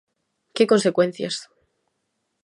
¿Que consecuencias?